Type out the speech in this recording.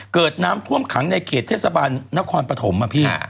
เกิดน้ำท่วมขังในเขตเทศบาลนครปฐมอะพี่